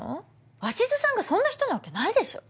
鷲津さんがそんな人なわけないでしょ！